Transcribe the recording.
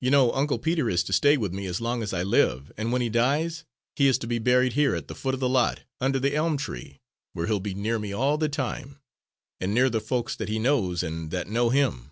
You know Uncle Peter is to stay with me as long as I live, and when he dies, he is to be buried here at the foot of the lot, under the elm tree, where he'll be near me all the time, and near the folks that he knows and that know him."